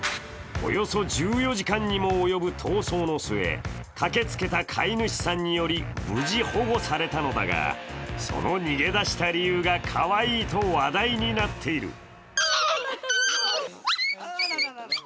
およそ１４時間にもおよぶ逃走の末、駆けつけた飼い主さんにより無事保護されたのだがその逃げ出した理由がかわいいと話題になっている。